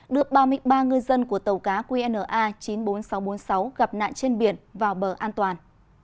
đưa ba mươi ba ngư dân của tàu cá qna chín mươi bốn nghìn sáu trăm bốn mươi sáu gặp nạn trên biển vào bờ an toàn